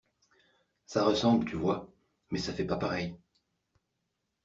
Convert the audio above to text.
Ça ressemble, tu vois, mais ça fait pas pareil!